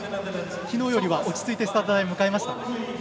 昨日よりは落ち着いてスタート台に向かえました？